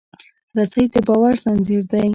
رسۍ د باور زنجیر دی.